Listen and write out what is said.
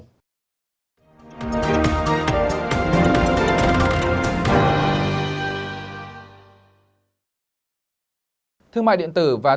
thương mại điện tử và thương mại điện tử trên nền tảng di động